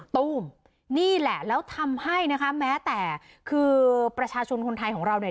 ตู้มนี่แหละแล้วทำให้นะคะแม้แต่คือประชาชนคนไทยของเราเนี่ย